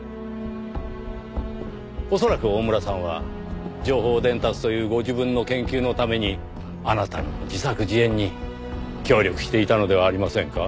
恐らく大村さんは情報伝達というご自分の研究のためにあなたの自作自演に協力していたのではありませんか？